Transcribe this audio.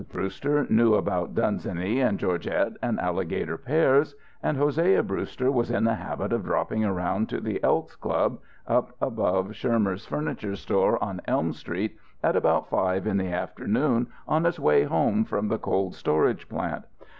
Brewster knew about Dunsany and Georgette and alligator pears; and Hosea Brewster was in the habit of dropping around to the Elks' Club, up above Schirmer's furniture store on Elm Street, at about five in the afternoon on his way home from the cold storage plant.